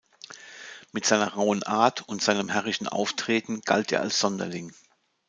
Mit seiner rauen Art und seinem herrischen Auftreten galt er als Sonderling.